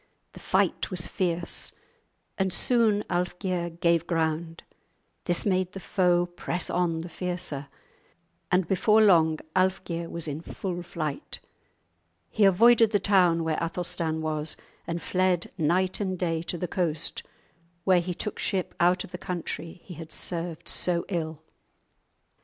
The fight was fierce, and soon Alfgeir gave ground; this made the foe press on the fiercer, and before long Alfgeir was in full flight. He avoided the town where Athelstan was, and fled night and day to the coast, where he took ship out of the country he had served so ill.